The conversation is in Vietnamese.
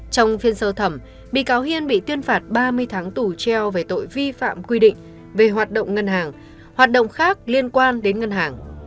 trong phiên sơ thẩm bị cáo hiên bị tuyên phạt ba mươi tháng tù treo về tội vi phạm quy định về hoạt động ngân hàng hoạt động khác liên quan đến ngân hàng